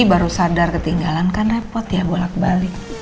baru sadar ketinggalan kan repot ya bolak balik